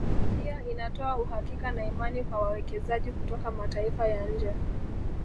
Pia inatoa uhakika na imani kwa wawekezaji kutoka mataifa ya nje